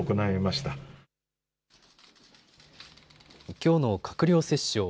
きょうの閣僚折衝。